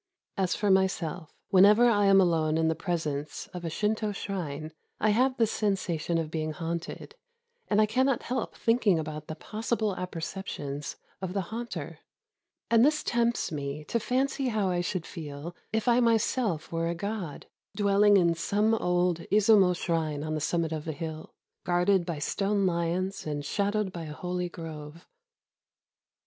As for myself, whenever I am alone in the presence of a Shinto shrine, I have the sensation of being haunted ; and I cannot help thinking about the possible apperceptions of the haunter. And this tempts me to fancy how I should feel if I myself were a god, — dwelling in some old Izumo shrine on the summit of a hill, guarded by stone lions and shadowed by a holy grove.